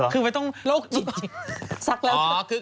คือไม่ต้องแล้วจิบสักแล้วทีอ๋อ